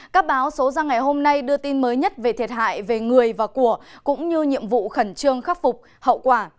các báo số ra ngày hôm nay đưa tin mới nhất về thiệt hại về người và của cũng như nhiệm vụ khẩn trương khắc phục hậu quả